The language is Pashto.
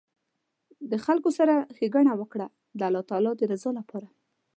د خلکو سره ښیګڼه وکړه د الله تعالي د رضا لپاره